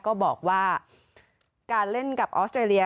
ก็บอกว่าการเล่นกับออสเตรเลีย